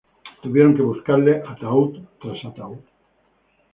Tuvieron que buscarle, ataúd tras ataúd.